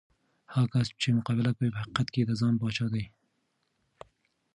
هغه کس چې مقابله کوي، په حقیقت کې د ځان پاچا دی.